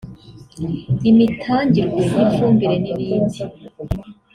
imitangirwe y’ifumbire n’ibindi